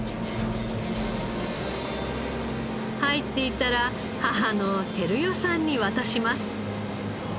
入っていたら母の照代さんに渡します。